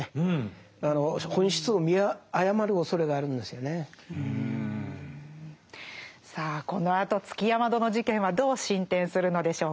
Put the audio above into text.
だからねやっぱりさあこのあと築山殿事件はどう進展するのでしょうか。